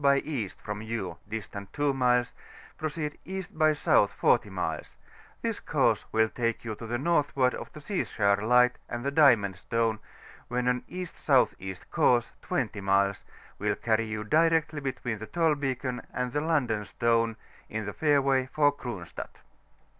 by E. from you, distant 2 miles, proceed E. by S. 40 nules; this course will take you to the northward of the Seaskar Light and the Diamond Stone, when an E.S.E. course, 20 miles, will carry you directly between the Tolbeacon and the London Stone, in the fairway for Cronstadt.